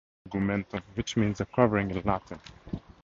It derives from "integumentum", which means "a covering" in Latin.